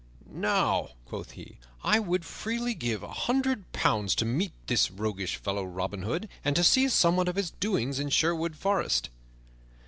"Now," quoth he, "I would freely give a hundred pounds to meet this roguish fellow, Robin Hood, and to see somewhat of his doings in Sherwood Forest."